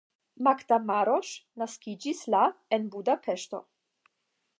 Magda Maros naskiĝis la en Budapeŝto.